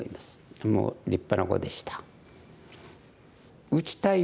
もう立派な碁でした。